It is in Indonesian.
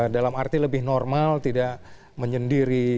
dalam arti lebih normal tidak menyendiri